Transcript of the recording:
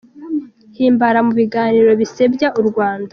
Himbara mu biganiro bisebya u Rwanda